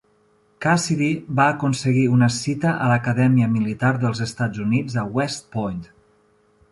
Cassidy va aconseguir una cita a l'Acadèmia Militar dels Estats Units a West Point.